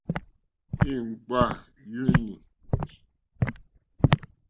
Ìŋɡbá yùùnî.